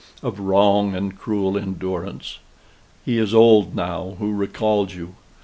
of wrong and cruel endurance! He is old now who recalls you.